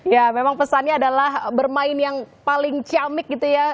ya memang pesannya adalah bermain yang paling ciamik gitu ya